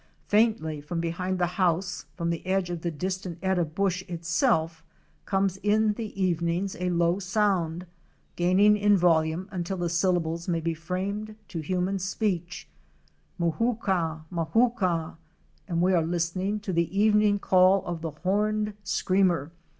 Faintly from behind the house, from the edge of the distant eta bush itself, comes in the evenings a low sound, gaining in volume until the syllables may be framed to human speech — Mo hoo ca! Mo héo ca! and we are listening to the evening call of the Horned Screamer,*!